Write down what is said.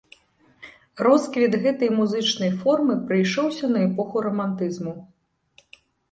Росквіт гэтай музычнай формы прыйшоўся на эпоху рамантызму.